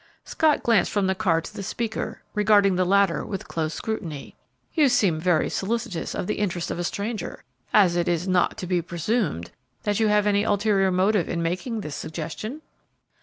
Scott glanced from the card to the speaker, regarding the latter with close scrutiny. "You seem very solicitous of the interests of a stranger, as it is not to be presumed that you have any ulterior motive in making this suggestion."